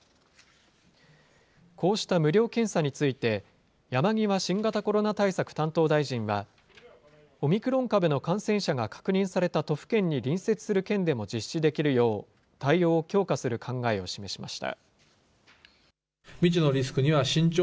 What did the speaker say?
こうした無料検査について、山際新型コロナ対策担当大臣は、オミクロン株の感染者が確認された都府県に隣接する県でも実施できるよう、対応を強化する考えを示しました。